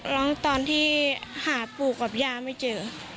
ร้องตอนที่หาปู้กับยาไม่เจอ